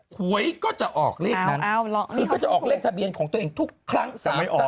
หวยก็จะออกเลขนั้นคือก็จะออกเลขทะเบียนของตัวเองทุกครั้ง